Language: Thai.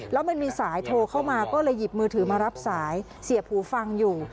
แล้วมันมีสายโทรเข้ามาก็เลยหยิบมือถือมารับสายเสียหูฟังอยู่